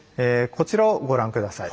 こちらをご覧下さい。